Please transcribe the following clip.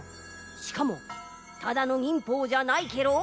しかもただの忍法じゃないケロ。